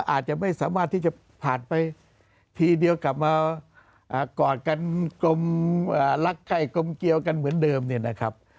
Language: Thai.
อาจจะไม่สามารถที่จะผ่านไปทีเดียวกลับมากอดกันกลมรักไข้กลมเกียวกันเหมือนเดิมเนี่ยนะครับ